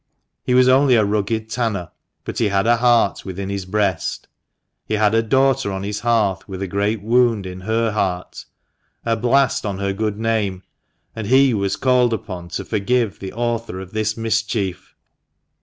He was only a rugged tanner, but he had a heart within his breast ; he had a daughter on his hearth with a great wound in her heart, a blast on her good name, and he was called upon to forgive the author of this mischief